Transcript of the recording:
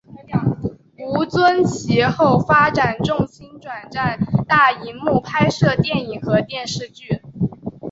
吴尊其后发展重心转战大银幕拍摄电影和电视剧。